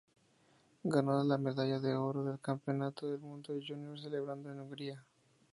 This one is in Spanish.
Ganó la medalla de oro del Campeonato del Mundo Júnior celebrado en Hungría.